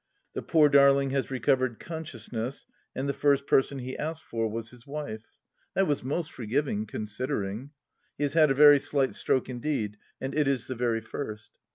The poor darling has recovered consciousness, and the first person he asked for was his Wife. That was most forgiving, considering ! He has had a very slight stroke indeed, and it is the very first.